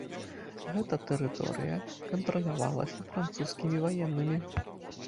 Гэта тэрыторыя кантралявалася французскімі ваеннымі.